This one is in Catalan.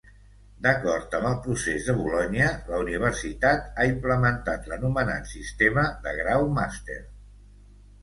D'acord amb el procés de Bolonya, la universitat ha implementat l'anomenat sistema de grau-màster.